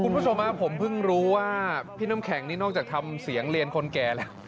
คุณผู้ชมผมเพิ่งรู้ว่าพี่น้ำแข็งนี่นอกจากทำเสียงเรียนคนแก่แล้ว